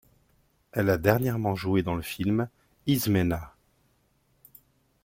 Elle a dernièrement joué dans le film Измена.